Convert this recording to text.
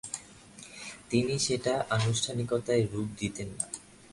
তিনি সেটা আনুষ্ঠানিকতায় রূপ দিতেন না।